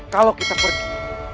kalau kita pergi